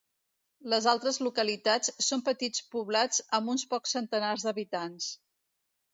Les altres localitats són petits poblats amb uns pocs centenars d'habitants.